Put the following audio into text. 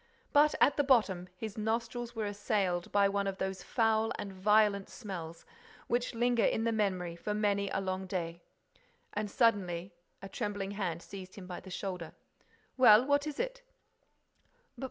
But, at the bottom, his nostrils were assailed by one of those foul and violent smells which linger in the memory for many a long day. And, suddenly, a trembling hand seized him by the shoulder. "Well, what is it?"